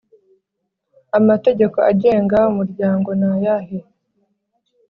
Amategeko agenga Umuryango nayahe